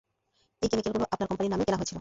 এই কেমিকেলগুলো আপনার কোম্পানির নামে কেনা হয়েছিল।